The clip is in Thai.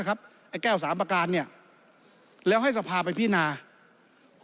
แก้วสามปาการนี่แล้วให้สภาไปพินาธ์